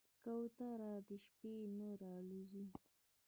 کوتره د شپې نه الوزي.